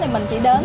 thì mình chỉ đến